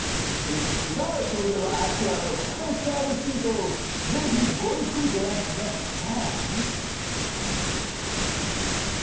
それではあちらのスペシャルシートでぜひごゆっくりご覧ください。